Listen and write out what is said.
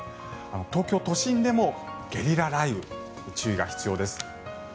東京都心でもゲリラ雷雨に注意が必要です。